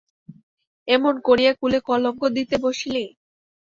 এমন করিয়া কুলে কলঙ্ক দিতে বসিলি!